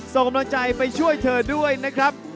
ส่งกำลังใจไปช่วยเธอด้วยนะครับ